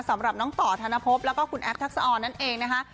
สำหรับน้องต่อธนภพแล้วก็คุณแอฟทักษะออนนั่นเองนะคะ